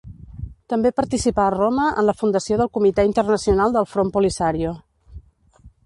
També participà a Roma en la fundació del Comitè Internacional del Front Polisario.